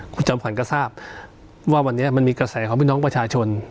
คุณจอมขวัญก็ทราบว่าวันนี้มันมีกระแสของพี่น้องประชาชน